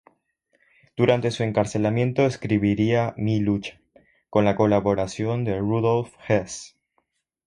Durante su encarcelamiento escribiría Mi Lucha, con la colaboración de Rudolf Hess.